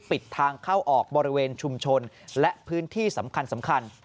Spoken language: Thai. ปิดทางเข้าออกบริเวณชุมชนและพื้นที่สำคัญ